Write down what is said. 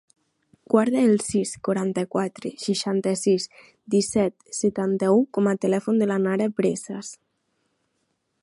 Guarda el sis, quaranta-quatre, seixanta-sis, disset, setanta-u com a telèfon de la Nara Presas.